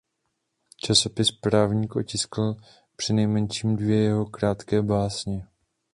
Časopis Právník otiskl přinejmenším dvě jeho krátké básně.